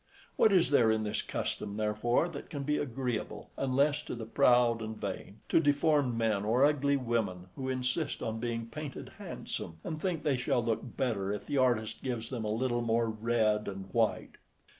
What is there in this custom, therefore, that can be agreeable, unless to the proud and vain; to deformed men or ugly women, who insist on being painted handsome, and think they shall look better if the artist gives them a little more red and white!